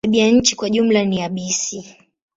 Tabianchi kwa jumla ni yabisi.